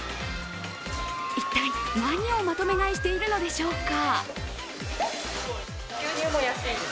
一体何をまとめ買いしているのでしょうか。